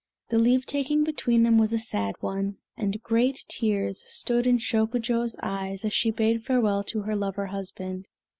The leave taking between them was a sad one, and great tears stood in Shokujo's eyes as she bade farewell to her lover husband.